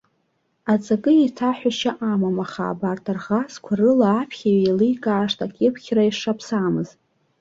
Аҵакы еиҭаҳәашьа амам, аха абарҭ арӷазқәа рыла аԥхьаҩ еиликаашт акьыԥхьра ишаԥсамыз.